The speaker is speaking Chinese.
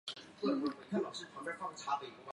可用于入药。